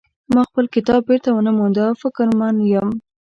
ما خپل کتاب بیرته ونه مونده او فکرمن یم